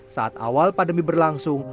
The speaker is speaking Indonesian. saat awal pandemi berlangsung